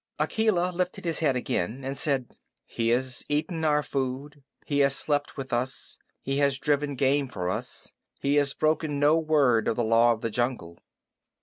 Akela lifted his head again and said, "He has eaten our food. He has slept with us. He has driven game for us. He has broken no word of the Law of the Jungle."